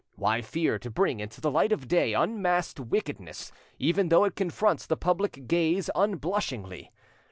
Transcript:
Why fear to bring into the light of day unmasked wickedness, even though it confronts the public gaze unblushingly?